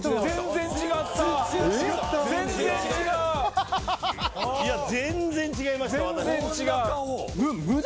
全然違う！